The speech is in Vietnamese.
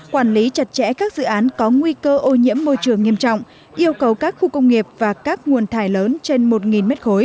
quản lý chặt chẽ các dự án có nguy cơ ô nhiễm môi trường nghiêm trọng yêu cầu các khu công nghiệp và các nguồn thải lớn trên một m ba